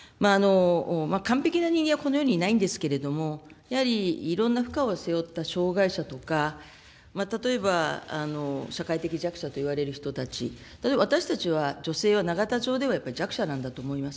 完璧な人間はこの世にいないんですけれども、やはり、いろんな負荷を背負った障害者とか、例えば社会的弱者といわれる人たち、例えば、私たち女性は永田町ではやっぱり、弱者なんだと思います。